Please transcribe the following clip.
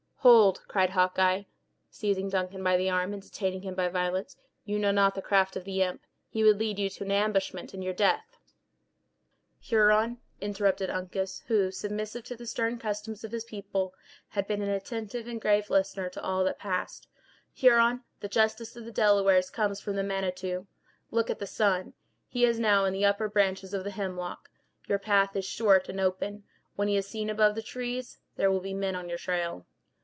"Hold," cried Hawkeye, seizing Duncan by the arm, and detaining him by violence; "you know not the craft of the imp. He would lead you to an ambushment, and your death—" "Huron," interrupted Uncas, who submissive to the stern customs of his people, had been an attentive and grave listener to all that passed; "Huron, the justice of the Delawares comes from the Manitou. Look at the sun. He is now in the upper branches of the hemlock. Your path is short and open. When he is seen above the trees, there will be men on your trail."